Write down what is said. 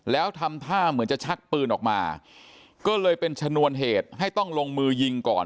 แล้วทำท่าเหมือนจะชักปืนออกมาก็เลยเป็นชนวนเหตุให้ต้องลงมือยิงก่อน